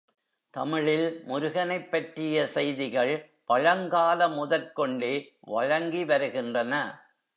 தமிழில் முருகனைப் பற்றிய செய்திகள் பழங்கால முதற் கொண்டே வழங்கி வருகின்றன.